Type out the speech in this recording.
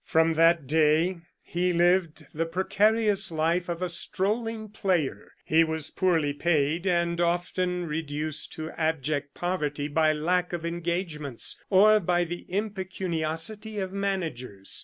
From that day he lived the precarious life of a strolling player. He was poorly paid, and often reduced to abject poverty by lack of engagements, or by the impecuniosity of managers.